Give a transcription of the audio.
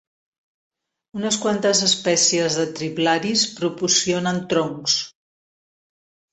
Unes quantes espècies de triplaris proporcionen troncs.